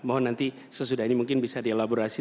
mohon nanti sesudah ini mungkin bisa dielaborasi